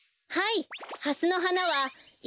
はい。